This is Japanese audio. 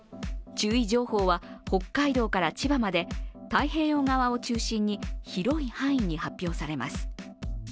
注意情報は北海道から千葉まで太平洋側を中心に広い範囲に発表されます。